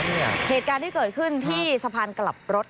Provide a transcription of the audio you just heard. เหตุการณ์ที่เกิดขึ้นที่สะพานกลับรถ